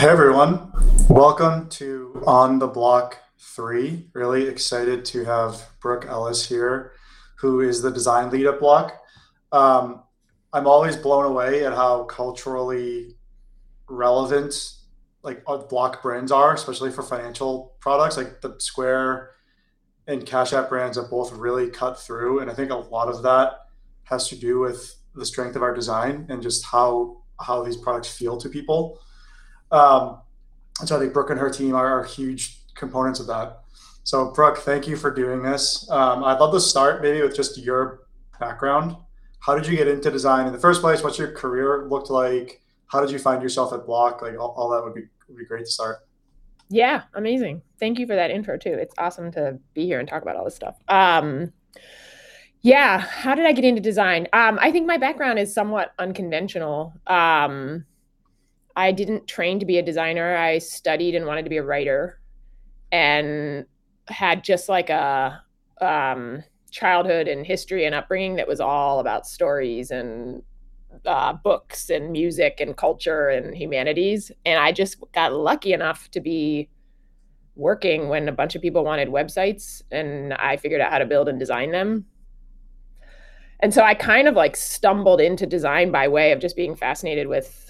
Hey everyone. Welcome to On The Block 3. Really excited to have Brooke Ellis here, who is the Design Lead at Block. I'm always blown away at how culturally relevant like Block brands are, especially for financial products. Like the Square and Cash App brands have both really cut through, and I think a lot of that has to do with the strength of our design and just how these products feel to people. I think Brooke and her team are huge components of that. Brooke, thank you for doing this. I'd love to start maybe with just your background. How did you get into design in the first place? What's your career looked like? How did you find yourself at Block? All that would be great to start. Yeah. Amazing. Thank you for that intro too. It's awesome to be here and talk about all this stuff. Yeah. How did I get into design? I think my background is somewhat unconventional. I didn't train to be a designer. I studied and wanted to be a writer, and had just like a childhood and history and upbringing that was all about stories and books and music and culture and humanities. I just got lucky enough to be working when a bunch of people wanted websites, and I figured out how to build and design them. I kind of stumbled into design by way of just being fascinated with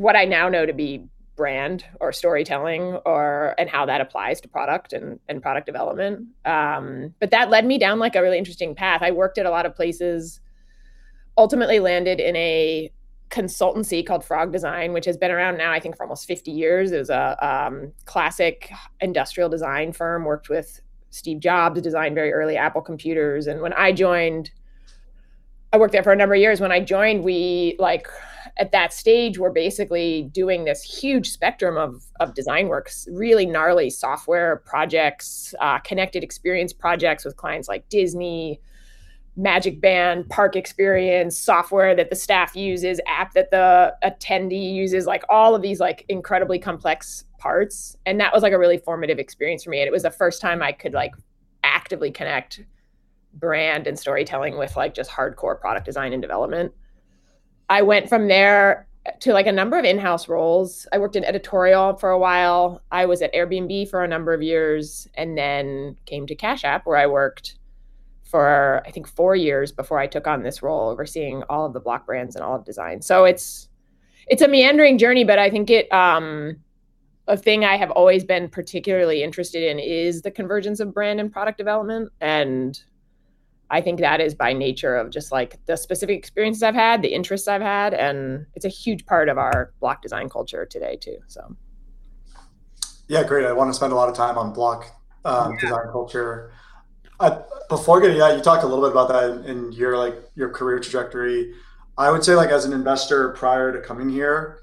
what I now know to be brand or storytelling, and how that applies to product and product development. That led me down like a really interesting path. I worked at a lot of places. Ultimately landed in a consultancy called Frog Design, which has been around now I think for almost 50 years. It was a classic industrial design firm, worked with Steve Jobs, designed very early Apple computers. When I joined, I worked there for a number of years. When I joined, we at that stage were basically doing this huge spectrum of design works, really gnarly software projects, connected experience projects with clients like Disney, MagicBand, park experience, software that the staff uses, app that the attendee uses, like all of these incredibly complex parts. That was like a really formative experience for me. It was the first time I could actively connect brand and storytelling with just hardcore product design and development. I went from there to a number of in-house roles. I worked in editorial for a while. I was at Airbnb for a number of years, and then came to Cash App where I worked for, I think, four years before I took on this role overseeing all of the Block brands and all of design. It's a meandering journey, but I think a thing I have always been particularly interested in is the convergence of brand and product development. I think that is by nature of just like the specific experiences I've had, the interests I've had, and it's a huge part of our Block design culture today too, so. Yeah, great. I want to spend a lot of time on Block design culture. Before getting there, you talked a little bit about that in your career trajectory. I would say as an investor prior to coming here,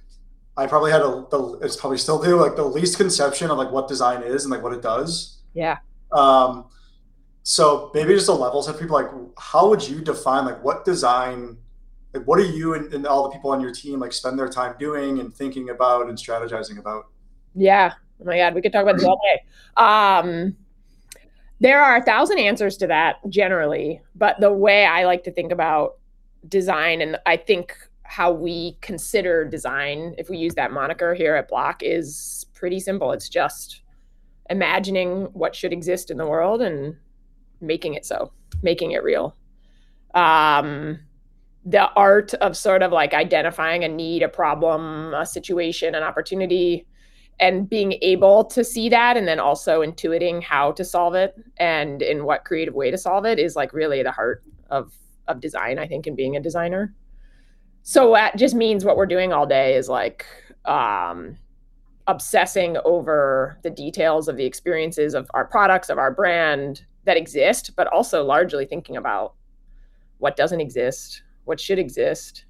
it's probably still true, like the least conception of what design is and what it does. Yeah. Maybe just a level set for people. How would you define what design, like what do you and all the people on your team spend their time doing and thinking about and strategizing about? Yeah. Oh my God, we could talk about this all day. There are a thousand answers to that generally, but the way I like to think about design, and I think how we consider design, if we use that moniker here at Block, is pretty simple. It's just imagining what should exist in the world and making it so, making it real. The art of sort of identifying a need, a problem, a situation, an opportunity, and being able to see that, and then also intuiting how to solve it and in what creative way to solve it, is like really the heart of design, I think, and being a designer. That just means what we're doing all day is like obsessing over the details of the experiences of our products, of our brand that exist, but also largely thinking about what doesn't exist, what should exist,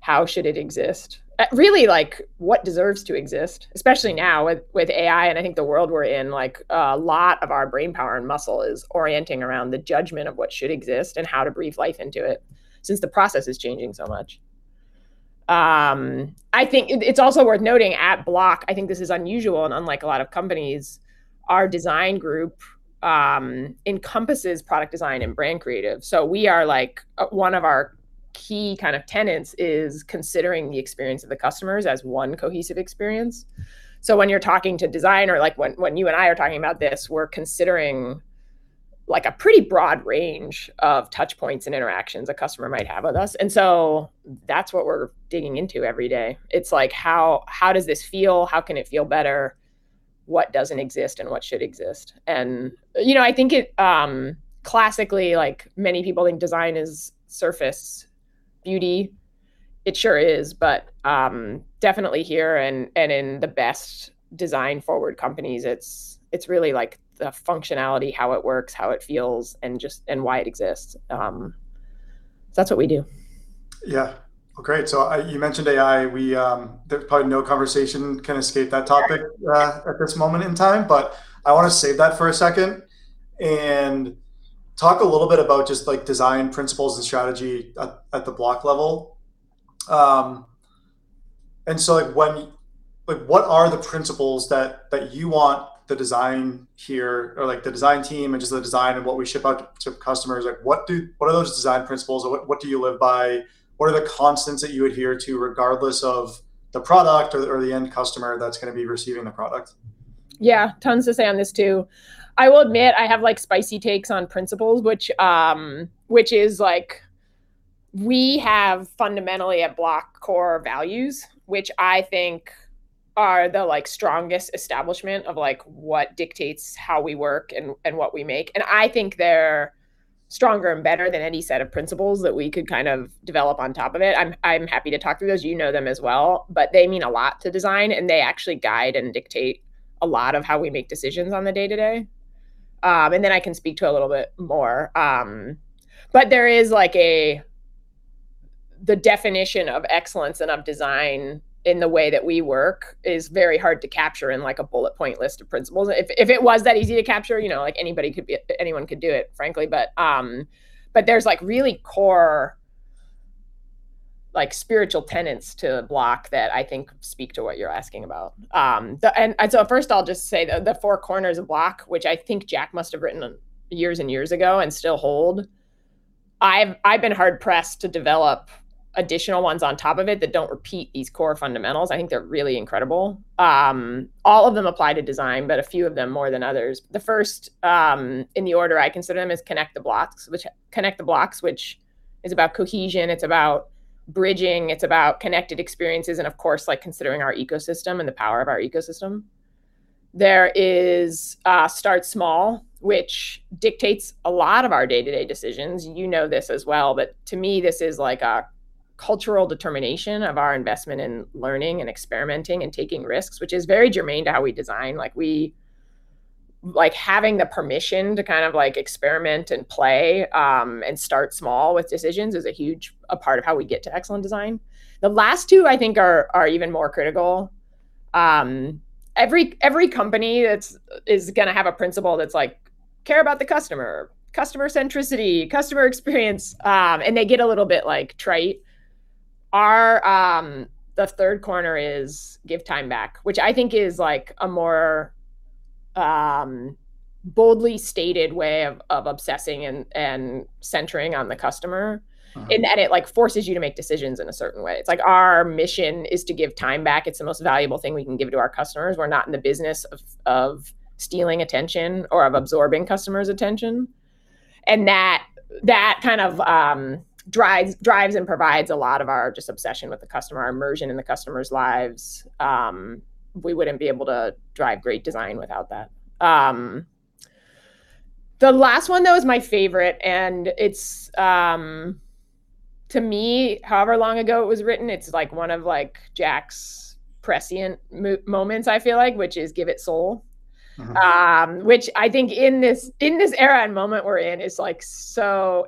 how should it exist. Really like what deserves to exist, especially now with AI and I think the world we're in, like a lot of our brainpower and muscle is orienting around the judgment of what should exist and how to breathe life into it since the process is changing so much. I think it's also worth noting at Block. I think this is unusual and unlike a lot of companies. Our design group encompasses product design and brand creative. One of our key kind of tenets is considering the experience of the customers as one cohesive experience. When you're talking to design or like when you and I are talking about this, we're considering a pretty broad range of touch points and interactions a customer might have with us, and so that's what we're digging into every day. It's like how does this feel? How can it feel better? What doesn't exist and what should exist? And I think classically, like many people think design is surface beauty. It sure is, but definitely here and in the best design forward companies, it's really like the functionality, how it works, how it feels, and why it exists. That's what we do. Yeah. Well, great. You mentioned AI. Probably no conversation can escape that topic at this moment in time, but I want to save that for a second and talk a little bit about just like design principles and strategy at the Block level. What are the principles that you want the design here, or like the design team and just the design of what we ship out to customers, like what are those design principles or what do you live by? What are the constants that you adhere to regardless of the product or the end customer that's going to be receiving the product? Yeah. Tons to say on this too. I will admit I have like spicy takes on principles, which is like we have fundamentally at Block core values, which I think are the like strongest establishment of like what dictates how we work and what we make. I think they're stronger and better than any set of principles that we could kind of develop on top of it. I'm happy to talk through those, you know them as well, but they mean a lot to design, and they actually guide and dictate a lot of how we make decisions on the day-to-day. I can speak to a little bit more. There is like the definition of excellence and of design in the way that we work is very hard to capture in like a bullet point list of principles. If it was that easy to capture, like anyone could do it, frankly. There's like really core spiritual tenets to Block that I think speak to what you're asking about. First I'll just say the four corners of Block, which I think Jack must have written years and years ago and still hold. I've been hard pressed to develop additional ones on top of it that don't repeat these core fundamentals. I think they're really incredible. All of them apply to design, but a few of them more than others. The first in the order I consider them is connect the blocks, which is about cohesion, it's about bridging, it's about connected experiences, and of course, like considering our ecosystem and the power of our ecosystem. There is start small, which dictates a lot of our day-to-day decisions. You know this as well, but to me this is like a cultural determination of our investment in learning and experimenting and taking risks, which is very germane to how we design. Like having the permission to kind of like experiment and play and start small with decisions is a huge part of how we get to excellent design. The last two I think are even more critical. Every company is going to have a principle that's like care about the customer centricity, customer experience, and they get a little bit like trite. The third corner is give time back, which I think is like a more boldly stated way of obsessing and centering on the customer. In that it like forces you to make decisions in a certain way. It's like our mission is to give time back. It's the most valuable thing we can give to our customers. We're not in the business of stealing attention or of absorbing customers' attention. That kind of drives and provides a lot of our just obsession with the customer, immersion in the customers' lives. We wouldn't be able to drive great design without that. The last one though is my favorite, and it's to me, however long ago it was written, it's like one of like Jack's prescient moments I feel like, which is give it soul. Which I think in this era and moment we're in, it's like so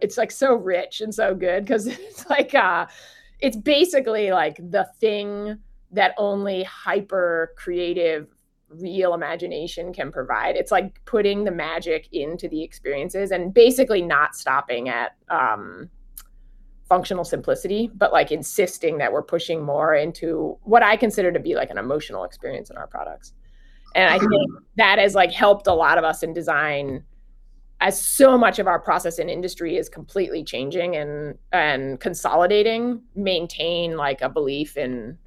rich and so good because it's basically like the thing that only hyper creative, real imagination can provide. It's like putting the magic into the experiences and basically not stopping at functional simplicity, but like insisting that we're pushing more into what I consider to be like an emotional experience in our products. I think that has like helped a lot of us in design as so much of our process and industry is completely changing and consolidating, maintain like a belief in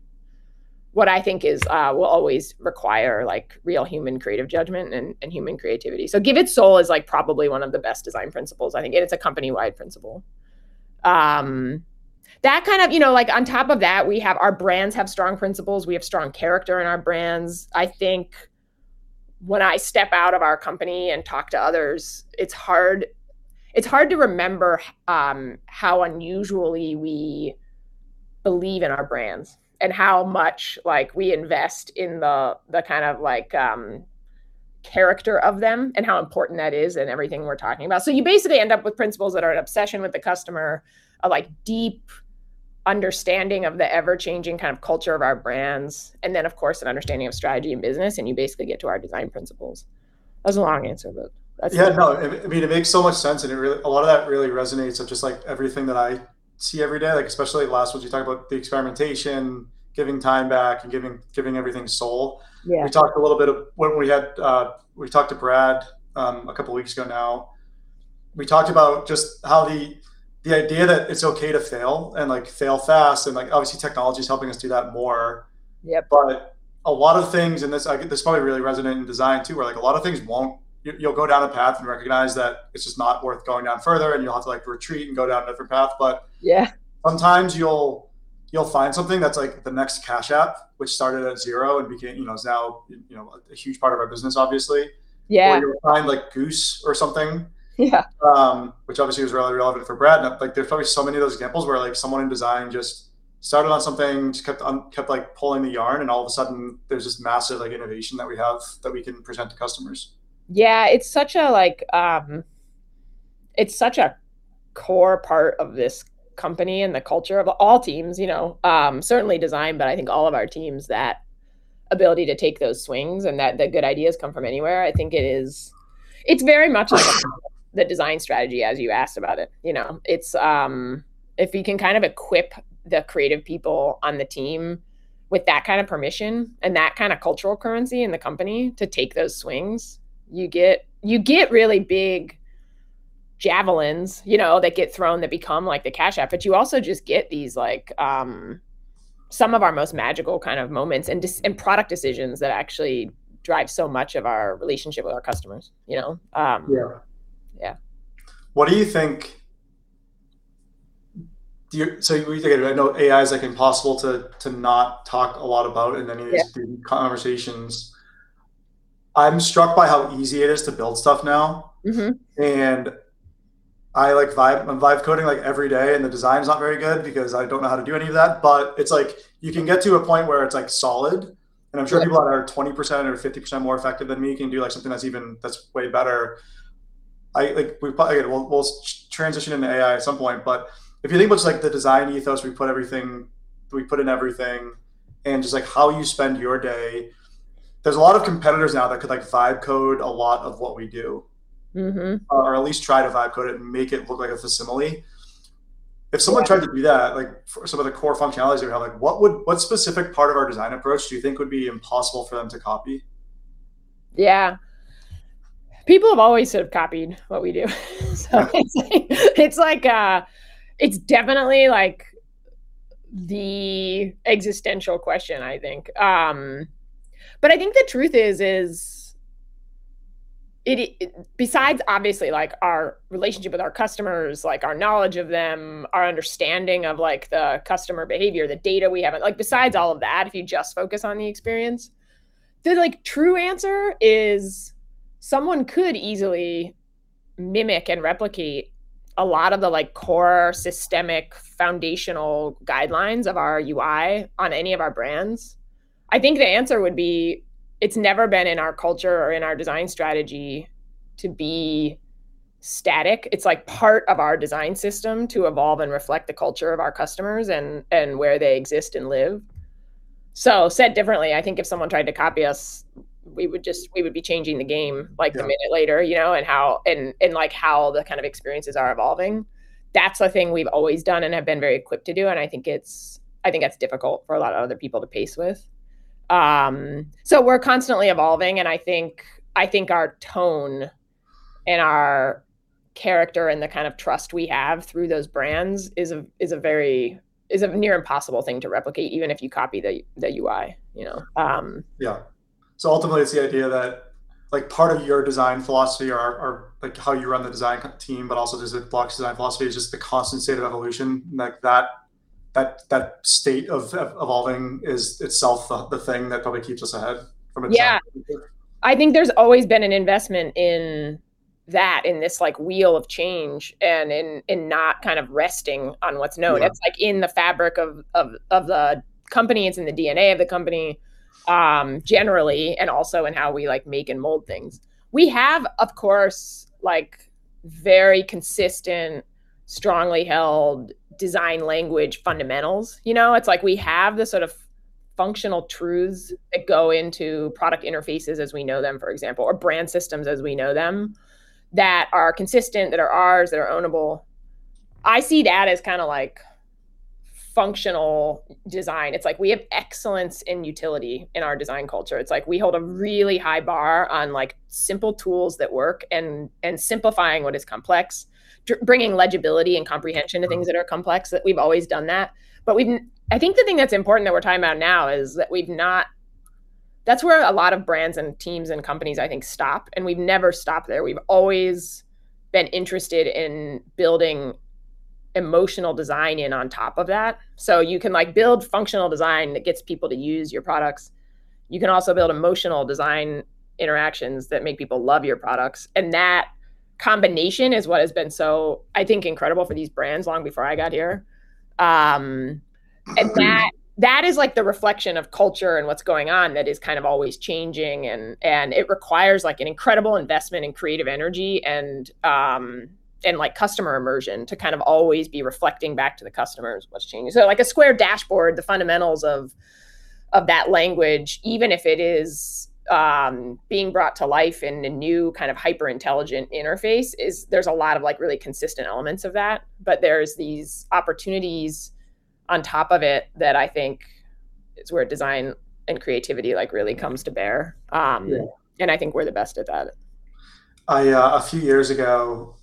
what I think will always require like real human creative judgment and human creativity. Give it soul is like probably one of the best design principles, I think, and it's a company-wide principle. On top of that, our brands have strong principles. We have strong character in our brands. I think when I step out of our company and talk to others, it's hard to remember how unusually we believe in our brands, and how much like we invest in the kind of like character of them, and how important that is in everything we're talking about. You basically end up with principles that are an obsession with the customer, a like deep understanding of the ever-changing kind of culture of our brands, and then of course, an understanding of strategy and business, and you basically get to our design principles. That was a long answer, but that's. Yeah, no. I mean, it makes so much sense and a lot of that really resonates with just like everything that I see every day, like especially last one you talked about the experimentation, giving time back, and giving everything soul. Yeah. When we talked to Brad, a couple of weeks ago now, we talked about just how the idea that it's okay to fail and like fail fast and like obviously technology's helping us do that more. Yep. A lot of things, and this probably really resonated in design too, where like a lot of things you'll go down a path and recognize that it's just not worth going down further and you'll have to like retreat and go down a different path. Yeah Sometimes you'll find something that's like the next Cash App, which started at zero and is now a huge part of our business, obviously. Yeah. You'll find like Goose or something. Yeah. Which obviously is really relevant for Brad. Like there's probably so many of those examples where like someone in design just started on something, just kept like pulling the yarn, and all of a sudden there's this massive like innovation that we have that we can present to customers. Yeah. It's such a core part of this company and the culture of all teams. Certainly design, but I think all of our teams, that ability to take those swings and that good ideas come from anywhere. I think it's very much like the design strategy as you asked about it. If you can kind of equip the creative people on the team with that kind of permission and that kind of cultural currency in the company to take those swings, you get really big javelins you know that get thrown that become like the Cash App. But you also just get these like, some of our most magical kind of moments and product decisions that actually drive so much of our relationship with our customers. You know? Yeah. Yeah. What do you think? I know AI is like impossible to not talk a lot about in any- Yeah of these conversations. I'm struck by how easy it is to build stuff now. Mm-hmm. I like vibe, I'm vibe coding like every day, and the design's not very good because I don't know how to do any of that. It's like you can get to a point where it's like solid. Yeah I'm sure people that are 20% or 50% more effective than me can do like something that's way better. We'll transition into AI at some point, but if you think about like the design ethos, we put in everything, and just like how you spend your day, there's a lot of competitors now that could like vibe code a lot of what we do. Mm-hmm. At least try to vibe code it and make it look like a facsimile. If someone tried to do that, like for some of the core functionalities, what specific part of our design approach do you think would be impossible for them to copy? Yeah. People have always sort of copied what we do. It's definitely like the existential question, I think. I think the truth is, besides obviously like our relationship with our customers, like our knowledge of them, our understanding of like the customer behavior, the data we have, like besides all of that, if you just focus on the experience, the like true answer is someone could easily mimic and replicate a lot of the like core systemic foundational guidelines of our UI on any of our brands. I think the answer would be it's never been in our culture or in our design strategy to be static. It's like part of our design system to evolve and reflect the culture of our customers and where they exist and live. Said differently, I think if someone tried to copy us, we would be changing the game like. Yeah The minute later. You know? In like how the kind of experiences are evolving. That's a thing we've always done and have been very equipped to do, and I think it's difficult for a lot of other people to keep pace with. We're constantly evolving and I think our tone and our character and the kind of trust we have through those brands is a near impossible thing to replicate, even if you copy the UI. You know? Yeah. Ultimately, it's the idea that like part of your design philosophy or like how you run the design team, but also just the Block design philosophy is just the constant state of evolution. Like that state of evolving is itself the thing that probably keeps us ahead from a design perspective. Yeah. I think there's always been an investment in that, in this like wheel of change, and in not kind of resting on what's known. Yeah It's like in the fabric of the company, it's in the DNA of the company, generally, and also in how we like make and mold things. We have, of course, like very consistent, strongly held design language fundamentals. You know? It's like we have the sort of functional truths that go into product interfaces as we know them, for example, or brand systems as we know them, that are consistent, that are ours, that are own-able. I see that as kind of like functional design. It's like we have excellence in utility in our design culture. It's like we hold a really high bar on like simple tools that work and simplifying what is complex, bringing legibility and comprehension to things that are complex. We've always done that. I think the thing that's important that we're talking about now is that's where a lot of brands and teams and companies I think stop, and we've never stopped there. We've always been interested in building emotional design in on top of that. You can like build functional design that gets people to use your products. You can also build emotional design interactions that make people love your products, and that combination is what has been so, I think, incredible for these brands long before I got here. That is like the reflection of culture and what's going on that is kind of always changing, and it requires like an incredible investment in creative energy and like customer immersion to kind of always be reflecting back to the customers what's changing. Like a Square dashboard, the fundamentals of that language, even if it is being brought to life in a new kind of hyper-intelligent interface, there's a lot of like really consistent elements of that, but there's these opportunities on top of it that I think is where design and creativity like really comes to bear. Yeah. I think we're the best at that. A few years ago,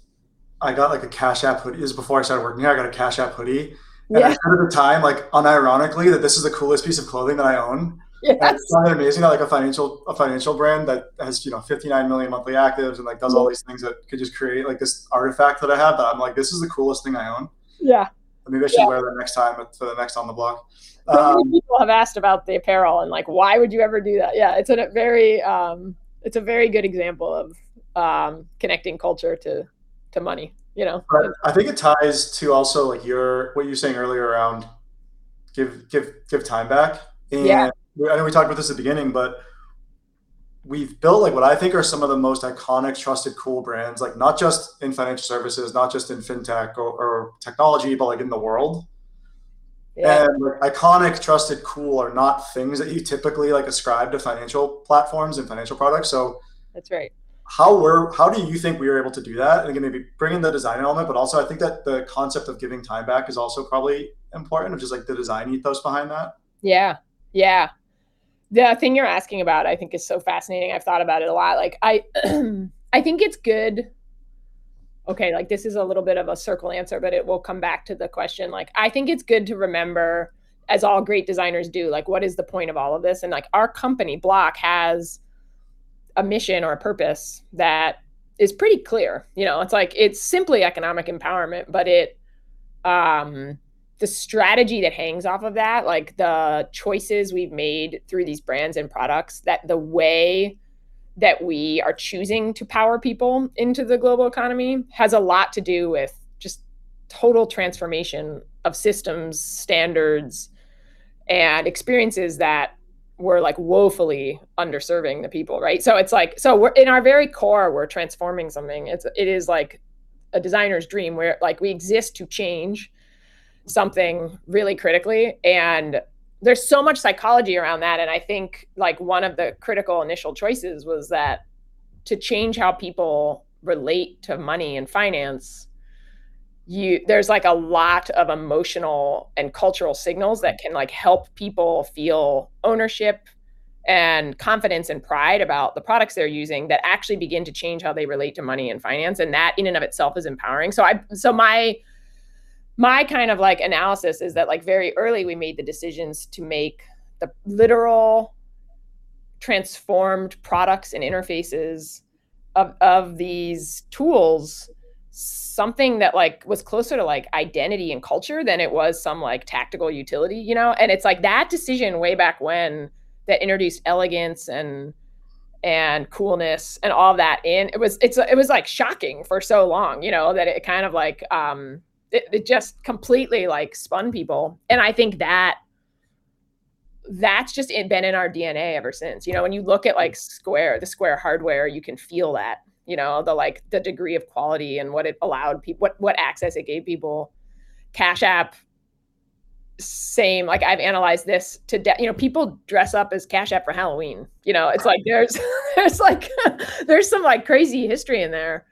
I got like a Cash App hoodie. This is before I started working here, I got a Cash App hoodie. Yeah. At the time, like unironically, that this is the coolest piece of clothing that I own. Yes. Isn't that amazing? How like a financial brand that has, you know, 59 million monthly actives and like does all these things that could just create like this artifact that I have, that I'm like, "This is the coolest thing I own. Yeah. I mean, I should wear that next time at the next "On The Block.'' Many people have asked about the apparel and like, "Why would you ever do that?" Yeah, it's a very good example of connecting culture to money. You know? Right. I think it ties to also like what you were saying earlier around give time back. Yeah. I know we talked about this at the beginning, but we've built like what I think are some of the most iconic, trusted, cool brands, like not just in financial services, not just in fintech or technology, but like in the world. Yeah. Iconic, trusted, cool are not things that you typically, like, ascribe to financial platforms and financial products. That's right. How do you think we are able to do that? Again, maybe bring in the design element, but also I think that the concept of giving time back is also probably important, which is like the design ethos behind that. Yeah. The thing you're asking about I think is so fascinating. I've thought about it a lot. I think it's good. Okay, this is a little bit of a circle answer, but it will come back to the question. I think it's good to remember, as all great designers do, what is the point of all of this? Our company, Block, has a mission or a purpose that is pretty clear. It's simply economic empowerment, but the strategy that hangs off of that, the choices we've made through these brands and products, that the way that we are choosing to power people into the global economy has a lot to do with just total transformation of systems, standards, and experiences that were woefully under-serving the people, right? In our very core, we're transforming something. It is like a designer's dream where we exist to change something really critically, and there's so much psychology around that, and I think one of the critical initial choices was that to change how people relate to money and finance, there's a lot of emotional and cultural signals that can help people feel ownership and confidence and pride about the products they're using that actually begin to change how they relate to money and finance. That in and of itself is empowering. My kind of analysis is that very early we made the decisions to make the literal transformed products and interfaces of these tools something that was closer to identity and culture than it was some tactical utility. It's that decision way back when that introduced elegance and coolness and all that in. It was shocking for so long, that it just completely spun people. I think that's just been in our DNA ever since. When you look at Square, the Square hardware, you can feel that. The degree of quality and what it allowed people, what access it gave people. Cash App, same. I've analyzed this to death. People dress up as Cash App for Halloween. There's some crazy history in there.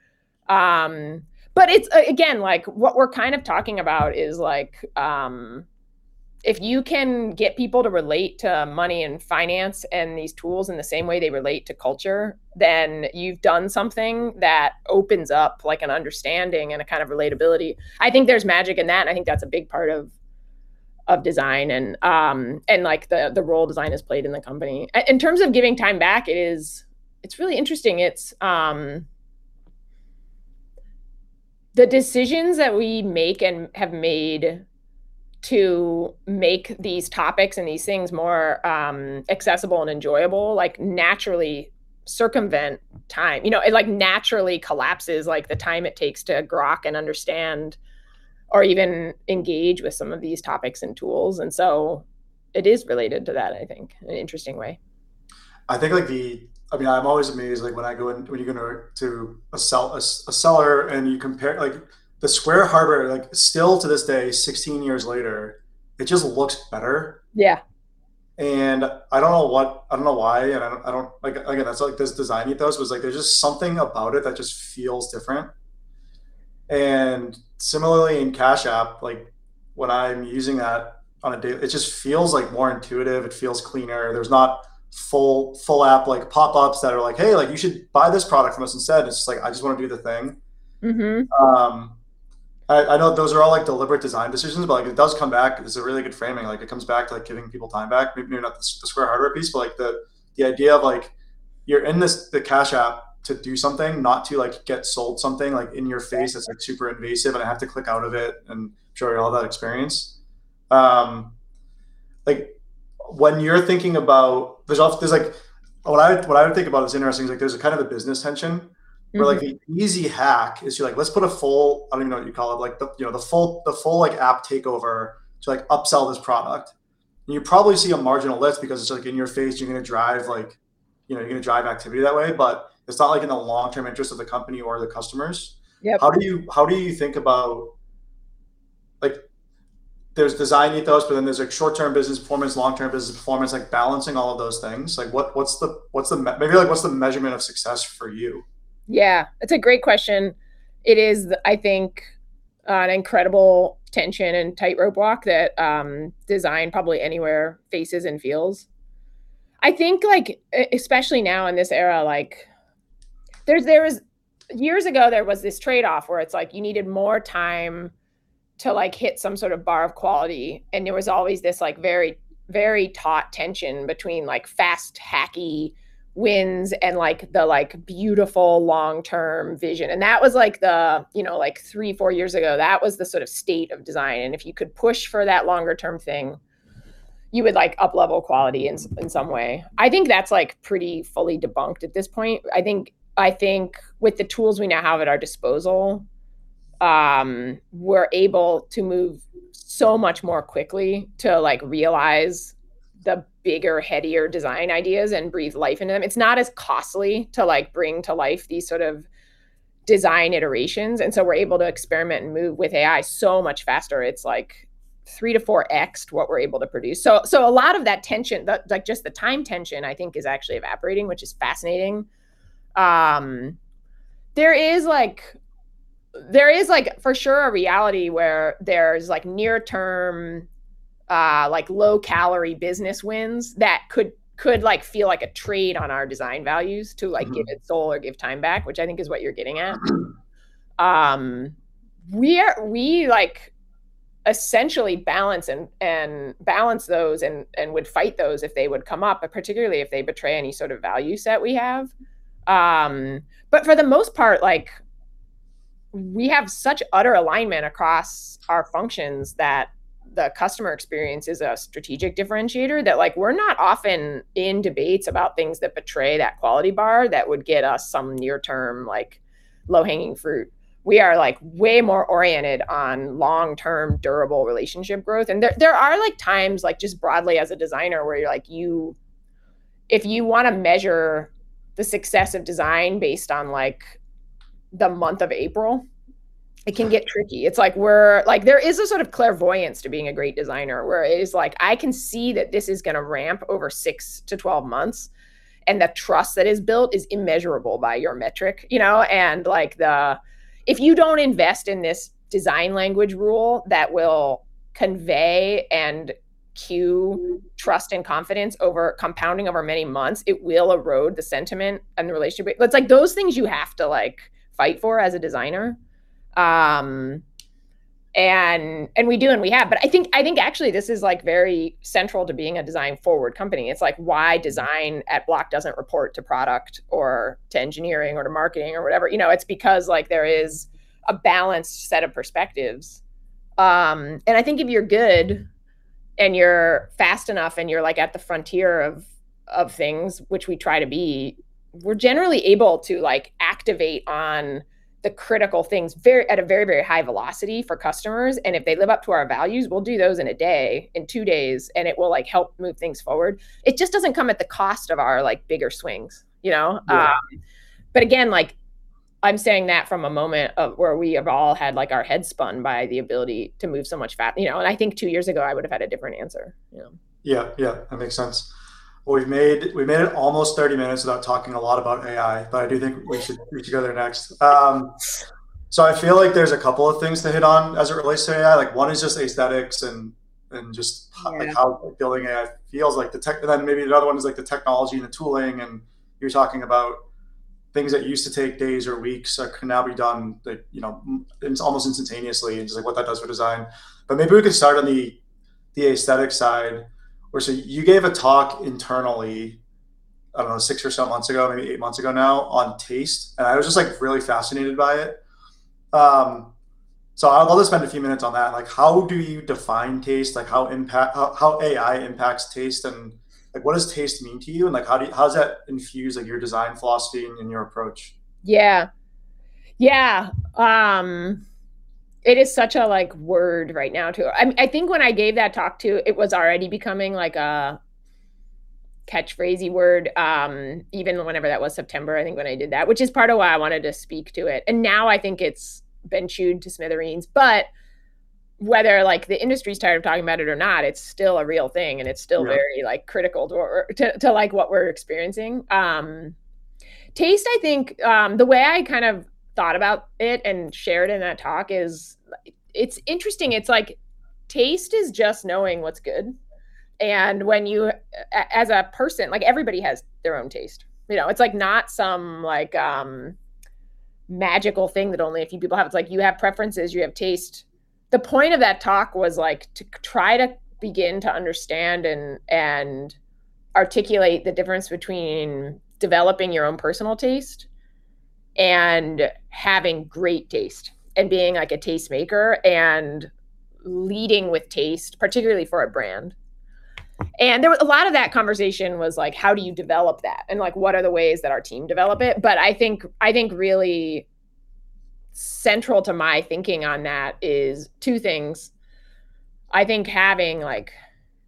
Again, what we're kind of talking about is if you can get people to relate to money and finance and these tools in the same way they relate to culture, then you've done something that opens up an understanding and a kind of relatability. I think there's magic in that, and I think that's a big part of design and the role design has played in the company. In terms of giving time back, it's really interesting. The decisions that we make and have made to make these topics and these things more accessible and enjoyable naturally circumvent time. It naturally collapses the time it takes to grok and understand or even engage with some of these topics and tools. It is related to that, I think, in an interesting way. I mean, I'm always amazed when you go to a seller and you compare the Square hardware, still to this day, 16 years later, it just looks better. Yeah. I don't know why, and again, that's this design ethos was like there's just something about it that just feels different. Similarly in Cash App, when I'm using that on a day, it just feels more intuitive. It feels cleaner. There's not full app pop-ups that are like, "Hey, you should buy this product from us instead." It's just like, I just want to do the thing. Mm-hmm. I know those are all deliberate design decisions, but it does come back. It's a really good framing. It comes back to giving people time back. Maybe not the Square hardware piece, but the idea of you're in the Cash App to do something, not to get sold something in your face that's super invasive, and I have to click out of it and destroy all that experience. What I would think about that's interesting is there's a kind of a business tension. Mm Where the easy hack is you're like, let's put a full, I don't even know what you'd call it, the full app takeover to upsell this product. You probably see a marginal lift because it's in your face. You're going to drive activity that way, but it's not in the long-term interest of the company or the customers. Yep. How do you think about? There's design ethos, but then there's short-term business performance, long-term business performance, balancing all of those things. Maybe what's the measurement of success for you? Yeah. It's a great question. It is, I think, an incredible tension and tightrope walk that design probably anywhere faces and feels. I think especially now in this era, years ago, there was this trade-off where it's like you needed more time to hit some sort of bar of quality, and there was always this very taut tension between fast, hacky wins and the beautiful long-term vision, and 3, 4 years ago, that was the sort of state of design. If you could push for that longer term thing, you would up-level quality in some way. I think that's pretty fully debunked at this point. I think with the tools we now have at our disposal, we're able to move so much more quickly to realize the bigger, headier design ideas and breathe life in them. It's not as costly to bring to life these sort of design iterations, and we're able to experiment and move with AI so much faster. It's 3 to 4 X'd what we're able to produce. A lot of that tension, just the time tension, I think is actually evaporating, which is fascinating. There is for sure a reality where there's near term, like low-calorie business wins that could feel like a trade on our design values. To like give it soul or give time back, which I think is what you're getting at. We essentially balance those and would fight those if they would come up, but particularly if they betray any sort of value set we have. For the most part, we have such utter alignment across our functions that the customer experience is a strategic differentiator that we're not often in debates about things that betray that quality bar that would get us some near term, low-hanging fruit. We are way more oriented on long-term, durable relationship growth. There are times, just broadly as a designer, where if you want to measure the success of design based on the month of April, it can get tricky. There is a sort of clairvoyance to being a great designer, where it is like, I can see that this is going to ramp over 6-12 months, and the trust that is built is immeasurable by your metric. If you don't invest in this design language rule, that will convey and cue trust and confidence compounding over many months, it will erode the sentiment and the relationship. It's like those things you have to fight for as a designer. We do, and we have. I think actually this is very central to being a design-forward company. It's like why design at Block doesn't report to product or to engineering or to marketing or whatever. It's because there is a balanced set of perspectives. I think if you're good and you're fast enough and you're at the frontier of things, which we try to be, we're generally able to activate on the critical things at a very, very high velocity for customers. If they live up to our values, we'll do those in a day, in two days, and it will help move things forward. It just doesn't come at the cost of our bigger swings. Again, I'm saying that from a moment of where we have all had our heads spun by the ability to move so much fast. I think two years ago, I would've had a different answer. Yeah. That makes sense. Well, we've made it almost 30 minutes without talking a lot about AI, but I do think we should get together next. I feel like there's a couple of things to hit on as it relates to AI. Like one is just aesthetics and just. Yeah How building it feels. Maybe another one is the technology and the tooling, and you're talking about things that used to take days or weeks that can now be done almost instantaneously and just what that does for design. Maybe we could start on the aesthetic side, where so you gave a talk internally, I don't know, six or so months ago, maybe eight months ago now, on taste, and I was just really fascinated by it. Let's spend a few minutes on that. How do you define taste? How AI impacts taste, and what does taste mean to you? How does that infuse your design philosophy and your approach? Yeah. It is such a word right now, too. I think when I gave that talk, too, it was already becoming a catchphrasey word, even whenever that was, September, I think, when I did that. Which is part of why I wanted to speak to it. Now I think it's been chewed to smithereens. Whether the industry's tired of talking about it or not, it's still a real thing. Right Very critical to what we're experiencing. Taste, I think, the way I kind of thought about it and shared in that talk is, it's interesting. It's like taste is just knowing what's good. As a person, everybody has their own taste. It's not some magical thing that only a few people have. It's like you have preferences, you have taste. The point of that talk was to try to begin to understand and articulate the difference between developing your own personal taste and having great taste, and being a taste maker and leading with taste, particularly for a brand. A lot of that conversation was like, how do you develop that? What are the ways that our team develop it? I think really central to my thinking on that is two things. I think having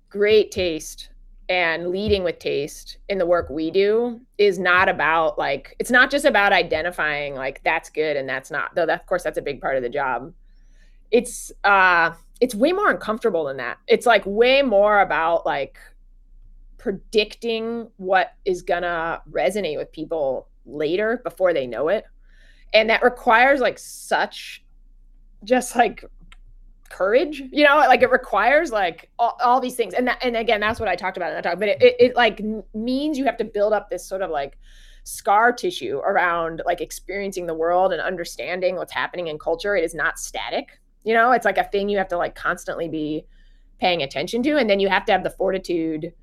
great taste and leading with taste in the work we do is not just about identifying that's good and that's not, though, of course, that's a big part of the job. It's way more uncomfortable than that. It's way more about predicting what is going to resonate with people later, before they know it. That requires such courage. It requires all these things. Again, that's what I talked about in that talk. It means you have to build up this sort of scar tissue around experiencing the world and understanding what's happening in culture. It is not static. It's a thing you have to constantly be paying attention to, and then you have to have the fortitude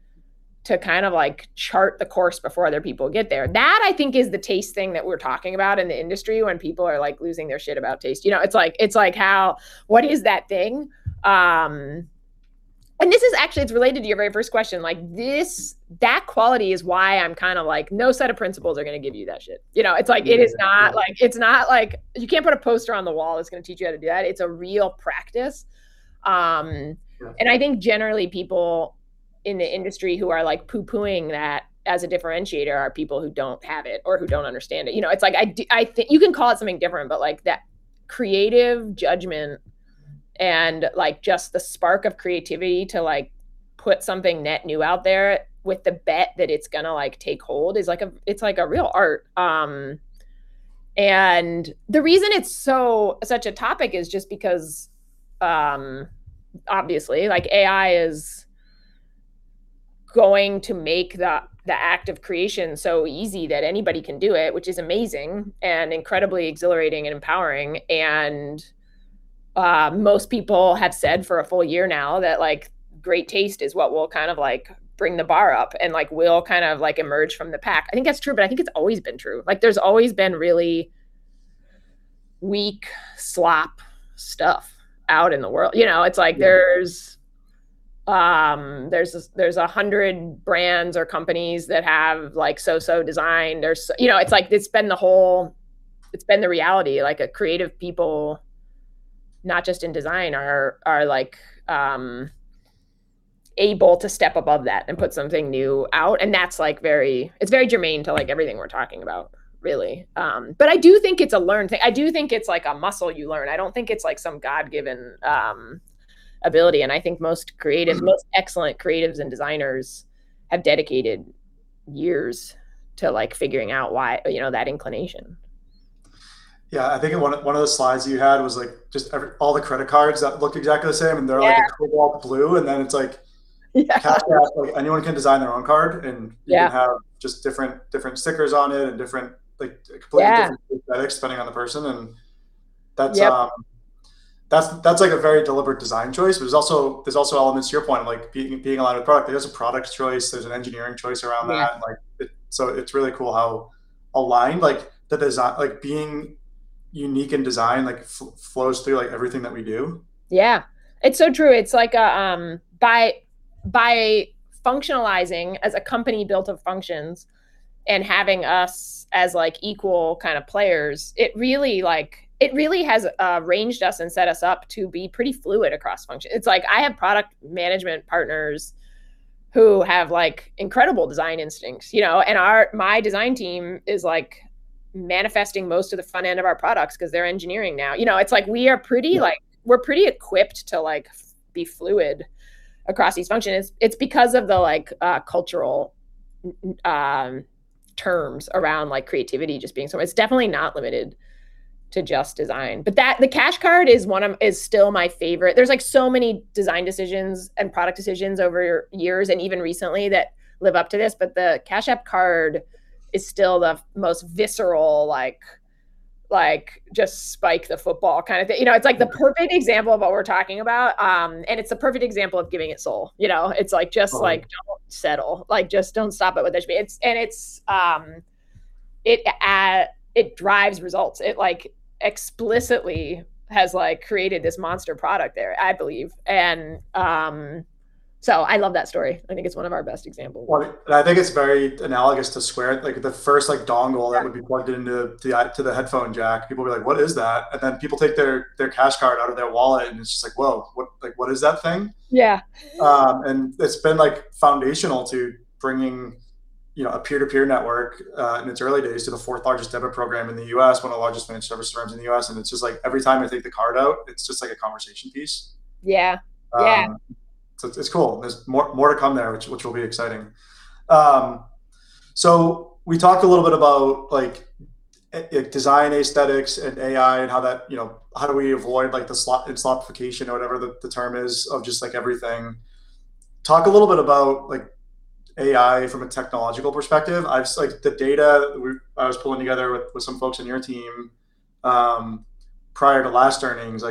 to kind of chart the course before other people get there. That, I think, is the taste thing that we're talking about in the industry when people are losing their shit about taste. It's like, what is that thing? This is actually, it's related to your very first question. That quality is why I'm kind of like, no set of principles are going to give you that shit. You can't put a poster on the wall that's going to teach you how to do that. It's a real practice. I think generally people in the industry who are poo-poohing that as a differentiator are people who don't have it or who don't understand it. You can call it something different, but that creative judgment. Just the spark of creativity to put something net new out there with the bet that it's going to take hold is like a real art. The reason it's such a topic is just because, obviously, AI is going to make the act of creation so easy that anybody can do it, which is amazing and incredibly exhilarating and empowering. Most people have said for a full year now that great taste is what will kind of bring the bar up and will kind of emerge from the pack. I think that's true, but I think it's always been true. There's always been really weak slop stuff out in the world. It's like there's 100 brands or companies that have like so-so design. It's been the reality, like creative people, not just in design, are able to step above that and put something new out. It's very germane to everything we're talking about, really. I do think it's a learned thing. I do think it's like a muscle you learn. I don't think it's like some God-given ability, and I think most creative, excellent creatives and designers have dedicated years to figuring out why that inclination. Yeah. I think one of the slides you had was just all the credit cards that look exactly the same, and they're like. Yeah A cobalt blue, and then it's like. Yeah. Cash Card, anyone can design their own card and. Yeah You can have just different stickers on it and completely different. Yeah Aesthetics depending on the person, and that's. Yep That's a very deliberate design choice. There's also elements to your point of like being a lot of the product. There is a product choice, there's an engineering choice around that. Yeah. It's really cool how aligned the design, like being unique in design, flows through everything that we do. Yeah. It's so true. It's like by functionalizing as a company built of functions and having us as equal players, it really has arranged us and set us up to be pretty fluid across functions. It's like I have product management partners who have incredible design instincts. My design team is manifesting most of the front end of our products because they're engineering now. It's like we're pretty equipped to be fluid across these functions. It's because of the cultural terms around creativity just being so. It's definitely not limited to just design. The Cash Card is still my favorite. There's so many design decisions and product decisions over years and even recently that live up to this, but the Cash App Card is still the most visceral, like just spike the football kind of thing. It's like the perfect example of what we're talking about, and it's the perfect example of giving it soul. Right Don't settle. Just don't stop it with MVP. It drives results. It explicitly has created this monster product there, I believe. I love that story. I think it's one of our best examples. Well, I think it's very analogous to Square, like the first dongle. Right That would be plugged into the headphone jack. People would be like, "What is that?" People take their Cash Card out of their wallet and it's just like, "Whoa. What is that thing? Yeah. It's been foundational to bringing a peer-to-peer network, in its early days, to the fourth largest debit program in the U.S., one of the largest managed service firms in the U.S., and it's just like every time they take the card out, it's just like a conversation piece. Yeah. It's cool. There's more to come there, which will be exciting. We talked a little bit about design aesthetics and AI and how do we avoid the slopification or whatever the term is, of just everything. Talk a little bit about AI from a technological perspective. The data I was pulling together with some folks on your team prior to last earnings,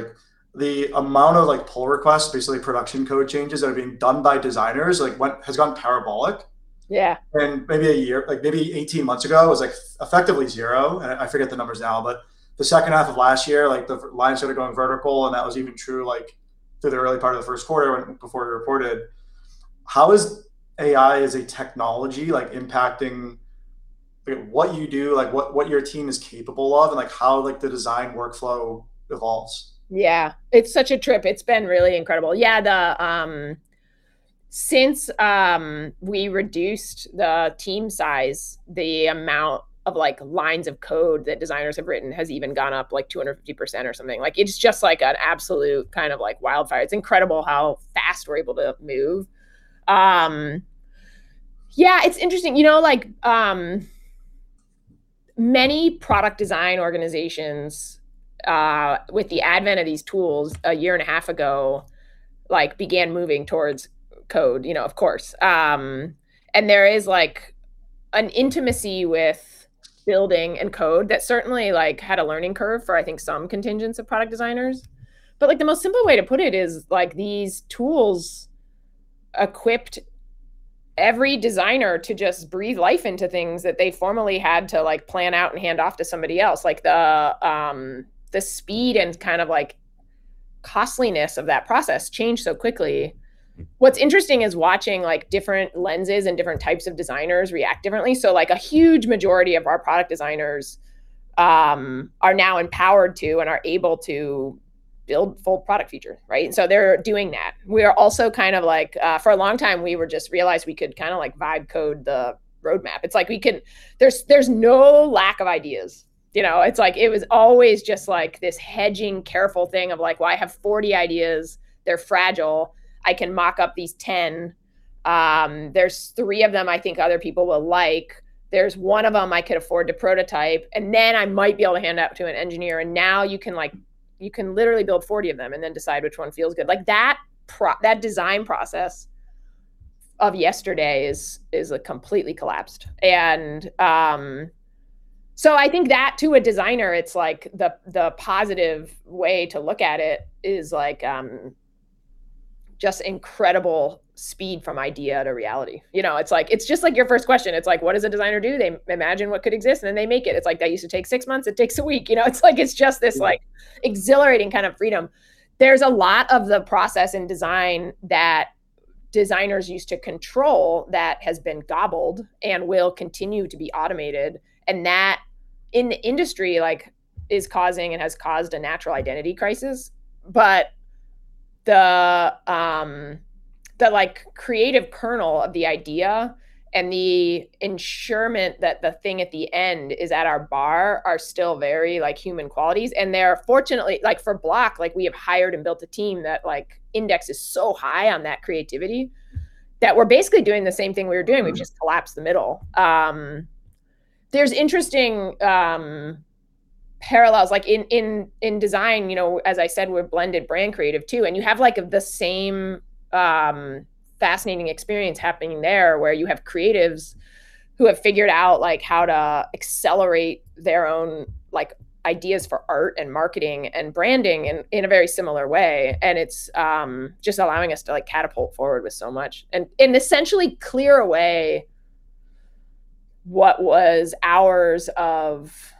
the amount of pull requests, basically production code changes that are being done by designers, has gone parabolic. Yeah. Maybe a year, maybe 18 months ago, it was effectively zero. I forget the numbers now, but the second half of last year, the line started going vertical, and that was even true through the early part of the Q1 before we reported. How is AI as a technology impacting what you do, what your team is capable of and how the design workflow evolves? Yeah. It's such a trip. It's been really incredible. Yeah. Since we reduced the team size, the amount of lines of code that designers have written has even gone up like 250% or something. It's just like an absolute wildfire. It's incredible how fast we're able to move. Yeah, it's interesting. Many product design organizations, with the advent of these tools a year and a half ago, began moving towards code, of course. There is an intimacy with building and code that certainly had a learning curve for I think some contingents of product designers. The most simple way to put it is these tools equipped every designer to just breathe life into things that they formerly had to plan out and hand off to somebody else. The speed and costliness of that process changed so quickly. What's interesting is watching different lenses and different types of designers react differently. A huge majority of our product designers are now empowered to and are able to build full product features, right? They're doing that. We are also kind of like, for a long time, we just realized we could vibe code the roadmap. There's no lack of ideas. It was always just this hedging, careful thing of like, "Well, I have 40 ideas. They're fragile. I can mock up these 10. There's 3 of them I think other people will like. There's 1 of them I could afford to prototype, and then I might be able to hand out to an engineer, and now you can literally build 40 of them and then decide which one feels good. Like that design process of yesterday is completely collapsed. I think that to a designer, it's like the positive way to look at it is like just incredible speed from idea to reality. It's just like your first question. It's like, what does a designer do? They imagine what could exist, and then they make it. It's like that used to take six months. It takes a week. Yeah Exhilarating kind of freedom. There's a lot of the process in design that designers use to control that has been gobbled and will continue to be automated, and that in the industry, is causing and has caused a natural identity crisis. The creative kernel of the idea and the ensurement that the thing at the end is at our bar are still very human qualities, and they are fortunately. Like for Block, we have hired and built a team that index is so high on that creativity that we're basically doing the same thing we were doing. We've just collapsed the middle. There's interesting parallels, like in design, as I said, we're blended brand creative too, and you have the same fascinating experience happening there, where you have creatives who have figured out how to accelerate their own ideas for art and marketing and branding in a very similar way. It's just allowing us to catapult forward with so much, and essentially clear away what was hours of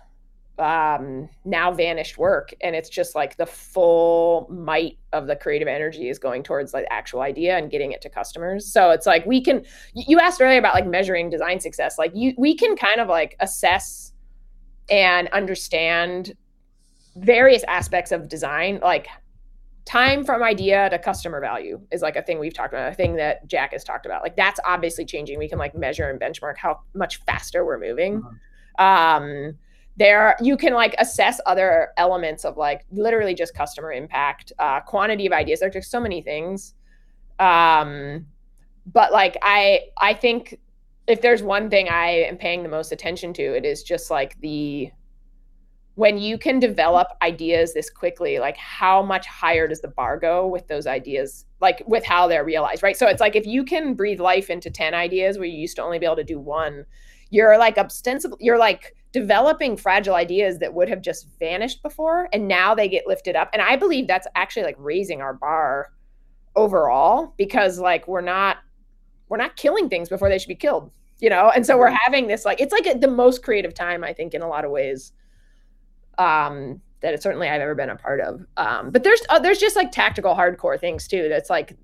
now vanished work, and it's just like the full might of the creative energy is going towards the actual idea and getting it to customers. You asked earlier about measuring design success. We can kind of assess and understand various aspects of design. Like time from idea to customer value is a thing we've talked about, a thing that Jack has talked about. That's obviously changing. We can measure and benchmark how much faster we're moving. You can assess other elements of literally just customer impact, quantity of ideas. There are just so many things. I think if there's one thing I am paying the most attention to it is just like when you can develop ideas this quickly, how much higher does the bar go with those ideas, with how they're realized, right? It's like if you can breathe life into 10 ideas where you used to only be able to do one, you're developing fragile ideas that would have just vanished before, and now they get lifted up. I believe that's actually raising our bar overall because we're not killing things before they should be killed. It's like the most creative time, I think, in a lot of ways, that certainly I've ever been a part of. There's just tactical hardcore things too, that's like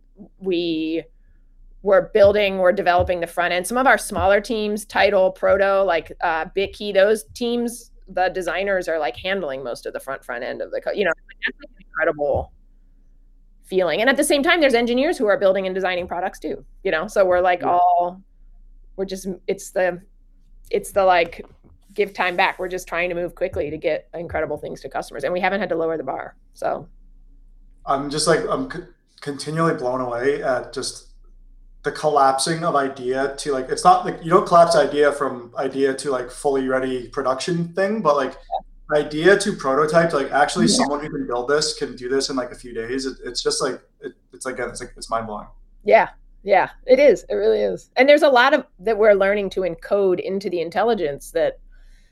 we're building, we're developing the front end. Some of our smaller teams, TIDAL, Proto, like Bitkey, those teams, the designers are handling most of the front end. You know, that's an incredible feeling. At the same time, there's engineers who are building and designing products too. Yeah. It's the give time back. We're just trying to move quickly to get incredible things to customers, and we haven't had to lower the bar. I'm continually blown away at just the collapsing of idea to, like, you don't collapse idea from idea to fully ready production thing, but like Yeah idea to prototype, like actually Yeah Someone who can build this can do this in a few days. It's mind-blowing. Yeah. It is. It really is. There's a lot that we're learning to encode into the intelligence that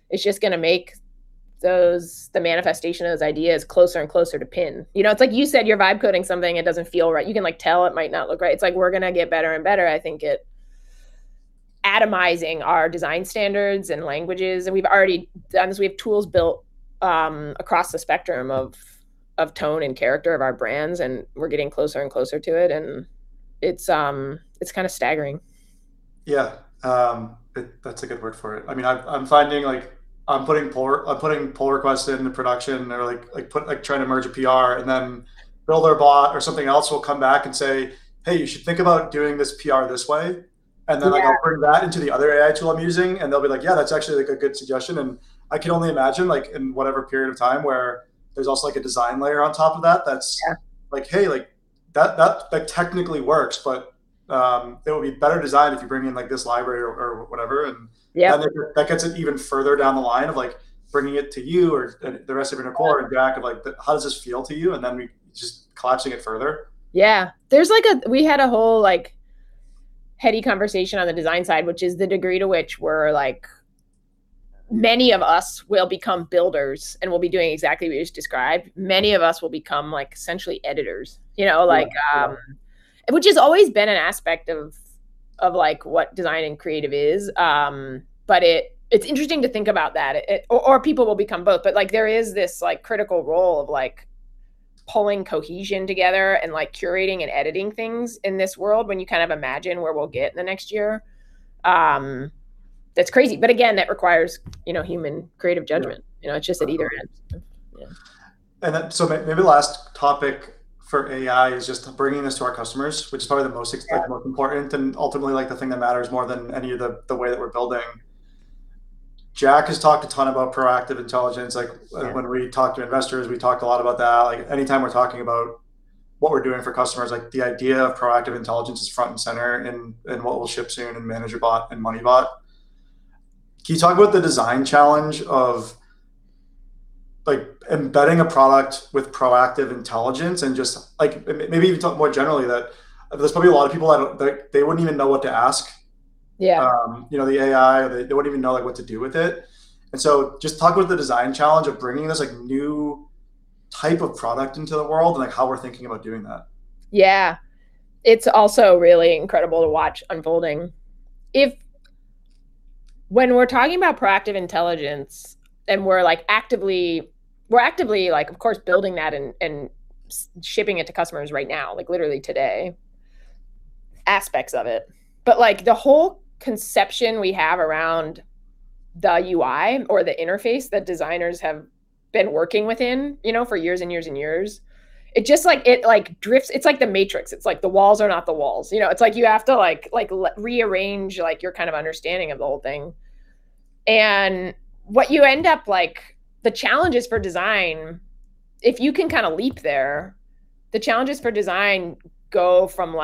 is just going to make the manifestation of those ideas closer and closer to pin. It's like you said, you're vibe coding something, it doesn't feel right, you can tell it might not look right. It's like we're going to get better and better, I think, at atomizing our design standards and languages, and we've already done this. We have tools built across the spectrum of tone and character of our brands, and we're getting closer and closer to it, and it's kind of staggering. Yeah. That's a good word for it. I'm finding I'm putting pull requests into production, or trying to merge a PR, and then Builder Bot or something else will come back and say, "Hey, you should think about doing this PR this way. Yeah. Then I'll bring that into the other AI tool I'm using, and they'll be like, "Yeah, that's actually a good suggestion." I can only imagine in whatever period of time where there's also a design layer on top of that's- Yeah like, "Hey, that technically works, but it would be better designed if you bring in this library or whatever. Yeah That gets it even further down the line of bringing it to you or the rest of Inner Council or Jack of like, "How does this feel to you?" Then just collapsing it further. Yeah. We had a whole heady conversation on the design side, which is the degree to which many of us will become builders and will be doing exactly what you just described. Many of us will become essentially editors. Which has always been an aspect of what design and creative is. It's interesting to think about that. People will become both, but there is this critical role of pulling cohesion together and curating and editing things in this world when you kind of imagine where we'll get in the next year. That's crazy. Again, that requires human creative judgment. Yeah. It's just at either end. Yeah. Maybe last topic for AI is just bringing this to our customers, which is probably the most important, and ultimately the thing that matters more than any of the way that we're building. Jack has talked a ton about proactive intelligence. Yeah. Like when we talk to investors, we talk a lot about that. Any time we're talking about what we're doing for customers, like the idea of proactive intelligence is front and center in what we'll ship soon in ManagerBot and MoneyBot. Can you talk about the design challenge of embedding a product with proactive intelligence and maybe even talk more generally that there's probably a lot of people that, they wouldn't even know what to ask. Yeah The AI, or they wouldn't even know what to do with it. Just talk about the design challenge of bringing this new type of product into the world and how we're thinking about doing that. Yeah. It's also really incredible to watch unfolding. When we're talking about proactive intelligence and we're actively, of course, building that and shipping it to customers right now, like literally today, aspects of it. But the whole conception we have around the UI or the interface that designers have been working within for years and years, it just drifts. It's like "The Matrix." It's like the walls are not the walls. It's like you have to rearrange your understanding of the whole thing. The challenges for design, if you can kind of leap there, the challenges for design go from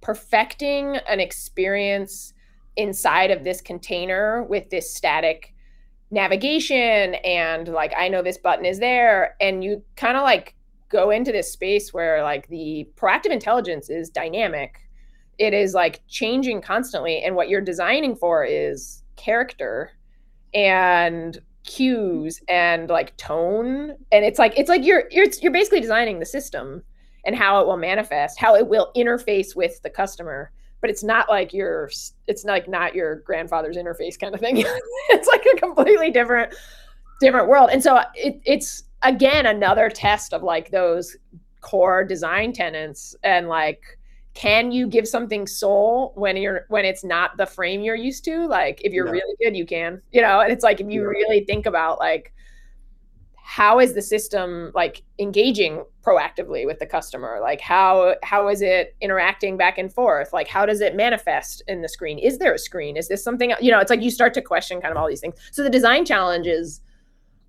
perfecting an experience inside of this container with this static navigation and, like, I know this button is there, and you go into this space where the proactive intelligence is dynamic, it is changing constantly, and what you're designing for is character and cues and tone. It's like you're basically designing the system and how it will manifest, how it will interface with the customer. It's not like your grandfather's interface kind of thing. It's like a completely different world. It's, again, another test of those core design tenets and, like, can you give something soul when it's not the frame you're used to? Yeah If you're really good, you can. Yeah. It's like, if you really think about how is the system engaging proactively with the customer, how is it interacting back and forth? How does it manifest in the screen? Is there a screen? Is this something? It's like you start to question all these things. The design challenge is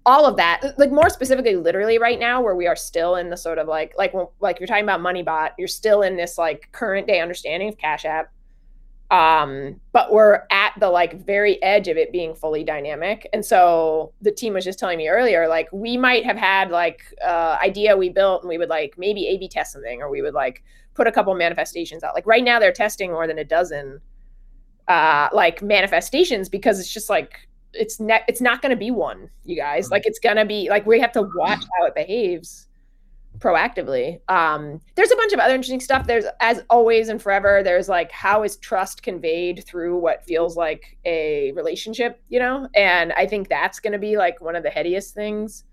all of that. More specifically, literally right now, where we are still in the sort of like, you're talking about MoneyBot, you're still in this current-day understanding of Cash App, but we're at the very edge of it being fully dynamic. The team was just telling me earlier, we might have had an idea we built, and we would maybe A/B test something, or we would put a couple manifestations out. Right now they're testing more than a dozen manifestations because it's just like, it's not going to be one, you guys. We have to watch how it behaves proactively. There's a bunch of other interesting stuff. As always and forever, there's like, how is trust conveyed through what feels like a relationship? I think that's going to be one of the headiest things.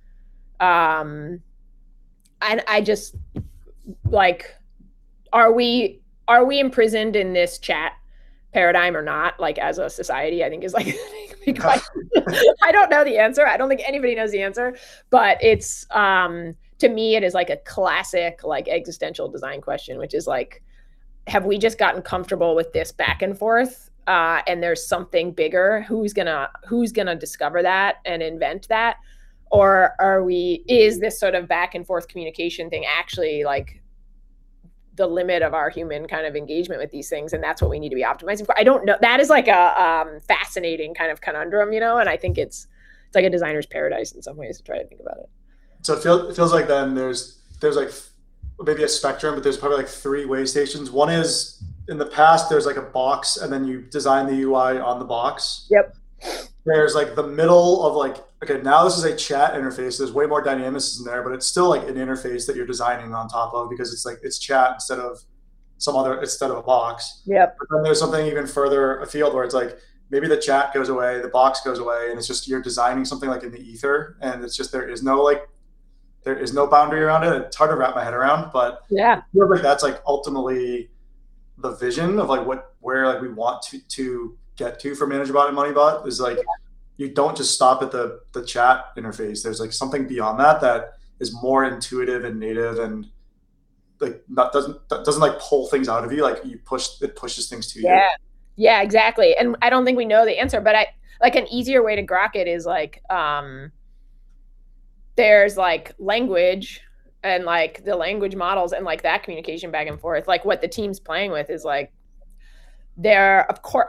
Are we imprisoned in this chat paradigm or not, as a society, I think is like the big question. I don't know the answer. I don't think anybody knows the answer. To me, it is a classic existential design question, which is like, have we just gotten comfortable with this back and forth and there's something bigger? Who's going to discover that and invent that? Is this sort of back-and-forth communication thing actually the limit of our human kind of engagement with these things, and that's what we need to be optimizing for? I don't know. That is a fascinating conundrum, and I think it's a designer's paradise in some ways, to try to think about it. It feels like then there's maybe a spectrum, but there's probably three way stations. One is in the past, there's a box, and then you design the UI on the box. Yep. Now this is a chat interface. There's way more dynamism there, but it's still an interface that you're designing on top of because it's chat instead of a box. Yep. There's something even further afield where it's like maybe the chat goes away, the box goes away, and it's just you're designing something in the ether, and it's just there is no boundary around it. It's hard to wrap my head around. Yeah. I feel like that's ultimately the vision of where we want to get to for ManagerBot and MoneyBot is like. Yeah You don't just stop at the chat interface. There's something beyond that is more intuitive and native and that doesn't pull things out of you. It pushes things to you. Yeah. Exactly. I don't think we know the answer, but an easier way to grok it is there's language and the language models and that communication back and forth. What the team's playing with is,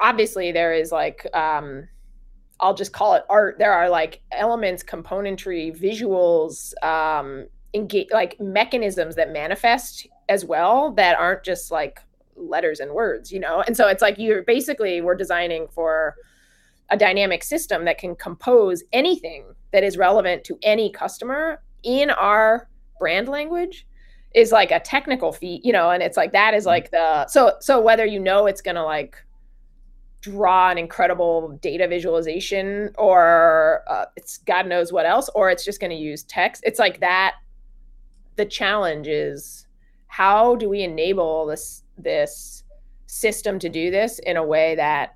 obviously, there is, I'll just call it art. There are elements, componentry, visuals, mechanisms that manifest as well that aren't just letters and words. It's like basically we're designing for a dynamic system that can compose anything that is relevant to any customer in our brand language, is a technical feat. Whether you know it's going to draw an incredible data visualization or it's God knows what else, or it's just going to use text, the challenge is how do we enable this system to do this in a way that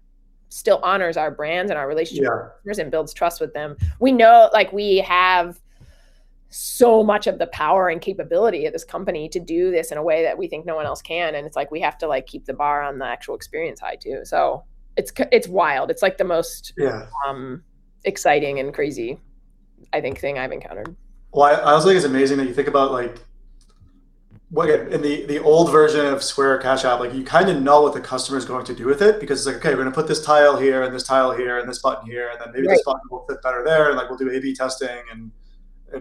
still honors our brand and our relationship. Sure With our customers and builds trust with them. We have so much of the power and capability of this company to do this in a way that we think no one else can, and it's like we have to keep the bar on the actual experience high too. It's wild. It's like the most- Yeah exciting and crazy, I think, thing I've encountered. Well, I also think it's amazing that you think about like, well, okay, in the old version of Square Cash App, you kind of know what the customer's going to do with it because it's like, okay, we're going to put this tile here and this tile here and this button here. Right Maybe this button will fit better there, and like we'll do A/B testing and,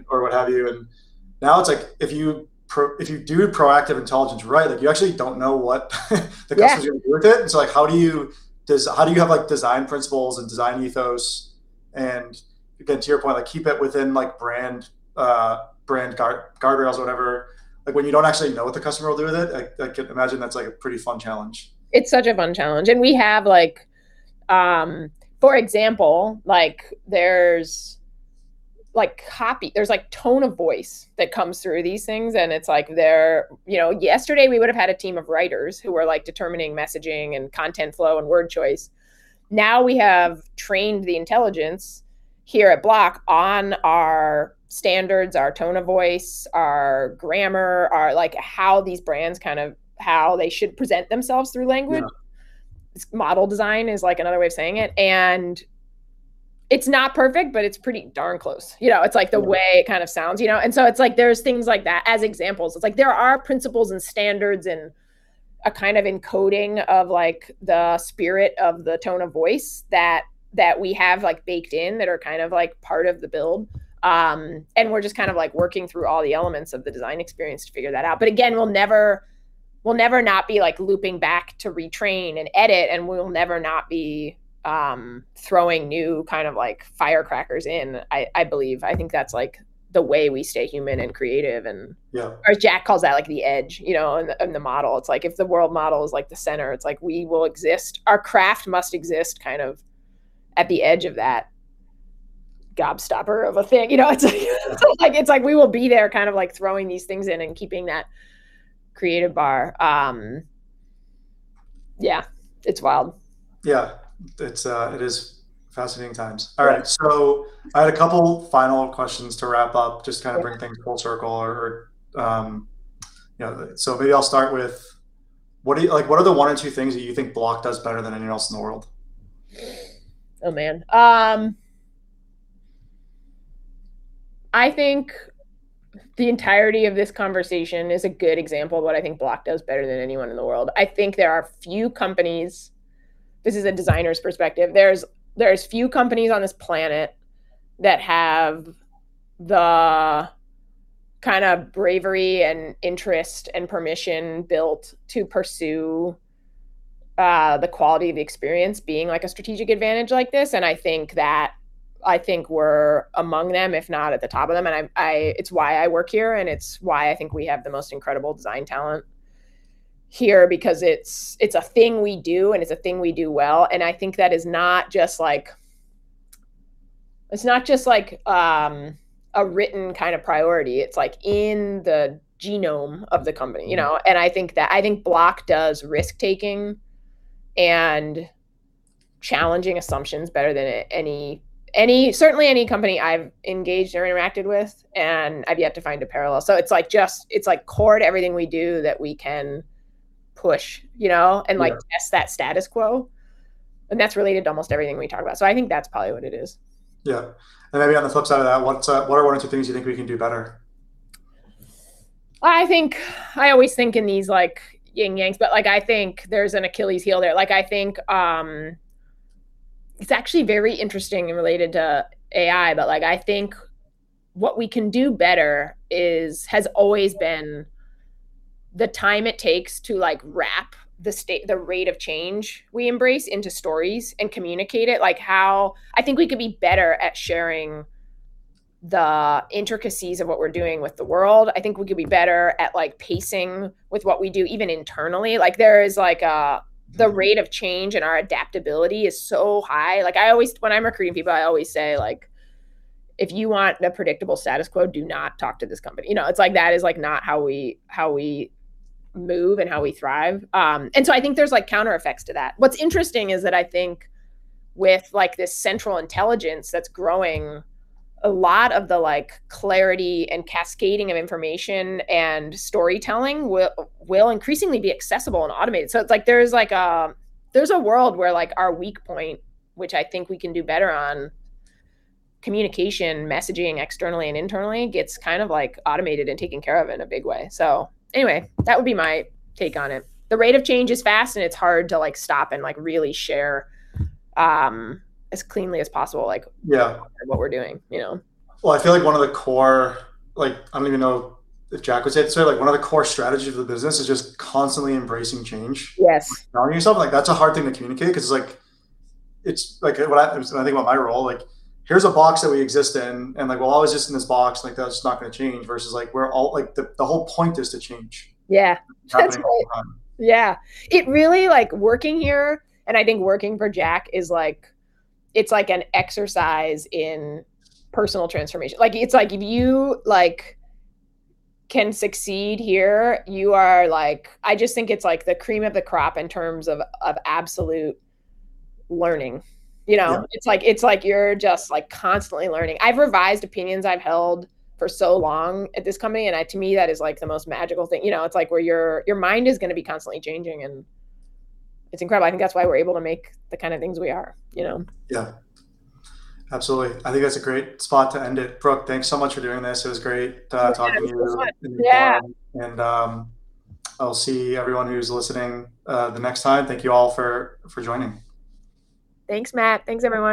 or what have you. Now it's like if you do proactive intelligence right, you actually don't know what the customer- Yeah is going to do with it. Like how do you have design principles and design ethos and, again, to your point, keep it within brand guardrails or whatever, like when you don't actually know what the customer will do with it. I can imagine that's a pretty fun challenge. It's such a fun challenge. We have, for example, there's tone of voice that comes through these things, and it's like yesterday we would've had a team of writers who were determining messaging and content flow and word choice. Now we have trained the intelligence here at Block on our standards, our tone of voice, our grammar, our how these brands kind of, how they should present themselves through language. Yeah. Model design is another way of saying it, and it's not perfect, but it's pretty darn close. It's like the way. Yeah It kind of sounds. It's like there's things like that as examples. It's like there are principles and standards and a kind of encoding of the spirit of the tone of voice that we have baked in that are kind of part of the build. We're just kind of working through all the elements of the design experience to figure that out. Again, we'll never not be looping back to retrain and edit, and we'll never not be throwing new kind of firecrackers in. I believe. I think that's the way we stay human and creative and- Yeah or Jack calls that the edge of the model. It's like if the world model is the center, it's like we will exist, our craft must exist kind of at the edge of that gobstopper of a thing. It's like we will be there kind of throwing these things in and keeping that creative bar. Yeah, it's wild. Yeah. It is fascinating times. Yeah. All right. I had a couple final questions to wrap up, just to kind of. Okay Maybe I'll start with what are the one or two things that you think Block does better than anyone else in the world? Oh, man. I think the entirety of this conversation is a good example of what I think Block does better than anyone in the world. I think there are few companies, this is a designer's perspective, there's few companies on this planet that have the kind of bravery and interest and permission built to pursue the quality of the experience being a strategic advantage like this, and I think we're among them, if not at the top of them. It's why I work here, and it's why I think we have the most incredible design talent here because it's a thing we do and it's a thing we do well, and I think that it's not just like a written kind of priority. It's like in the genome of the company. I think Block does risk-taking and challenging assumptions better than certainly any company I've engaged or interacted with, and I've yet to find a parallel. It's like core to everything we do that we can push, you know? Yeah. Like test that status quo, and that's related to almost everything we talk about, so I think that's probably what it is. Yeah. Maybe on the flip side of that, what are one or two things you think we can do better? I always think in these like yin yangs, but I think there's an Achilles heel there. It's actually very interesting and related to AI, but I think what we can do better has always been the time it takes to wrap the rate of change we embrace into stories and communicate it. I think we could be better at sharing the intricacies of what we're doing with the world. I think we could be better at pacing with what we do, even internally. The rate of change and our adaptability is so high. When I'm recruiting people, I always say, "If you want a predictable status quo, do not talk to this company." That is not how we move and how we thrive. I think there's counter effects to that. What's interesting is that I think with this central intelligence that's growing, a lot of the clarity and cascading of information and storytelling will increasingly be accessible and automated. It's like there's a world where our weak point, which I think we can do better on, communication, messaging externally and internally, gets kind of automated and taken care of in a big way. Anyway, that would be my take on it. The rate of change is fast and it's hard to stop and really share as cleanly as possible. Yeah What we're doing. Well, I feel like one of the core, I don't even know if Jack would say it this way, one of the core strategies of the business is just constantly embracing change. Yes. Challenging yourself. That's a hard thing to communicate because when I think about my role, like here's a box that we exist in, and we'll always exist in this box. That's not going to change. Versus the whole point is to change. Yeah. That's all. It's happening all the time. Yeah. Working here, and I think working for Jack, it's like an exercise in personal transformation. If you can succeed here, I just think it's like the cream of the crop in terms of absolute learning. Yeah. It's like you're just constantly learning. I've revised opinions I've held for so long at this company, and to me, that is the most magical thing. It's like where your mind is going to be constantly changing, and it's incredible. I think that's why we're able to make the kind of things we are. Yeah. Absolutely. I think that's a great spot to end it. Brooke, thanks so much for doing this. It was great talking with you. Yeah. I'll see everyone who's listening the next time. Thank you all for joining. Thanks, Matt. Thanks everyone.